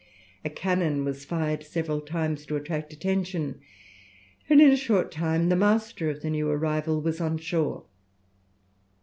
A cannon was fired several times to attract attention, and in a short time the master of the new arrival was on shore.